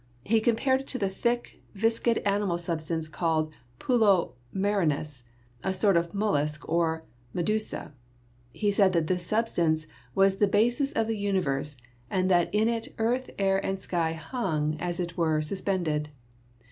He compared it to the thick, viscid animal substance called pulmo marinus, a sort of mollusk or medusa. He said that this substance was the basis of the universe, and that in it earth, air and sky hung, as it were, suspended.